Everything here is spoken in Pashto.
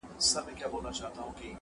واری د قدرت له نشې مستو لېونیو دی-